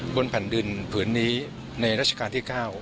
บนแผ่นดินผืนนี้ในราชการที่๙